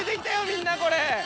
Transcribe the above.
みんなこれ。